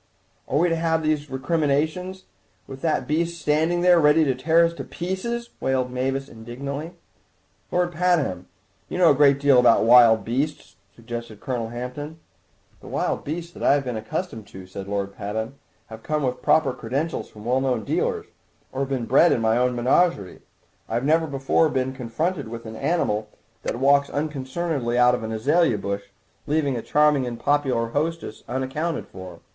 "Are we to have all these recriminations with that beast standing there ready to tear us to pieces?" wailed Mavis indignantly. "Lord Pabham, you know a good deal about wild beasts—" suggested Colonel Hampton. "The wild beasts that I have been accustomed to," said Lord Pabham, "have come with proper credentials from well known dealers, or have been bred in my own menagerie. I've never before been confronted with an animal that walks unconcernedly out of an azalea bush, leaving a charming and popular hostess unaccounted for.